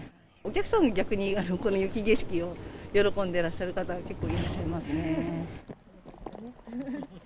お客さんは逆に、この雪景色を喜んでらっしゃる方、結構いらっしゃいますね。